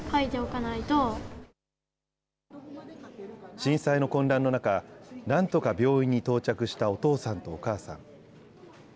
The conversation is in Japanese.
震災の混乱の中、なんとか病院に到着したお父さんとお母さん。